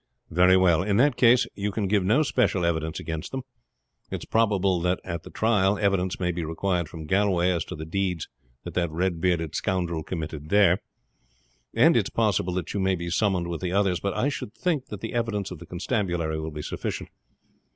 "Very well. In that case you can give no special evidence against them. It is probable that at the trial evidence may be required from Galway as to the deeds that that red bearded scoundrel committed there; and it is possible that you may be summoned with others, but I should think that the evidence of the constabulary will be sufficient.